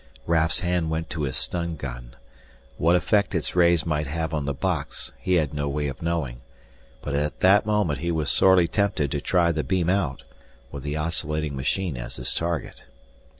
Raf's hand went to his stun gun. What effect its rays might have on the box he had no way of knowing, but at that moment he was sorely tempted to try the beam out, with the oscillating machine as his target.